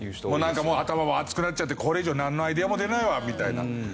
頭も熱くなっちゃってこれ以上なんのアイデアも出ないわみたいな。